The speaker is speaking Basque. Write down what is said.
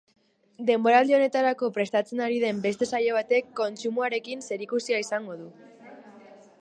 Denboraldi honetarako prestatzen ari den beste saio batek kontsumoarekin zerikusia izango du.